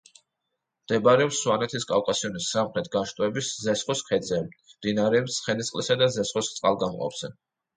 მდებარეობს სვანეთის კავკასიონის სამხრეთ განშტოების ზესხოს ქედზე, მდინარეების ცხენისწყლისა და ზესხოს წყალგამყოფზე.